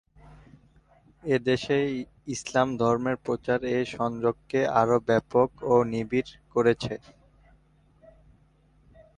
এ দেশে ইসলাম ধর্মের প্রচার এ সংযোগকে আরও ব্যাপক ও নিবিড় করেছে।